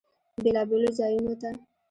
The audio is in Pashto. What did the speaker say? بیلابیلو ځایونو ته